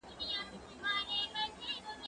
دا ونه له هغه لويه ده!!